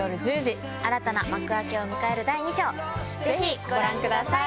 新たな幕開けを迎える第２章ぜひご覧ください。